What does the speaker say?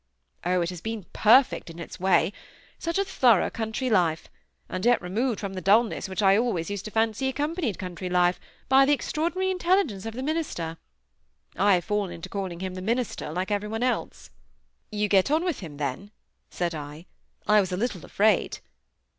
"Oh! it has been perfect in its way. Such a thorough country life! and yet removed from the dulness which I always used to fancy accompanied country life, by the extraordinary intelligence of the minister. I have fallen into calling him 'the minister', like every one else." "You get on with him, then?" said I. "I was a little afraid."